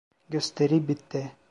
Gösteri bitti.